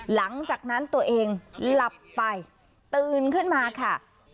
หลังจากนั้นตัวเองหลับไปตื่นขึ้นมาค่ะ